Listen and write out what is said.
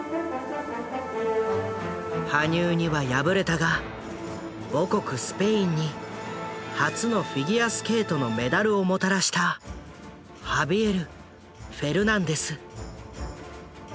羽生には敗れたが母国スペインに初のフィギュアスケートのメダルをもたらしたハビエル・フェルナンデス。